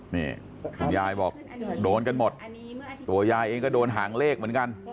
นี่คุณยายบอกโดนกันหมดตัวยายเองก็โดนหางเลขเหมือนกัน